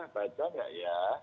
baca nggak ya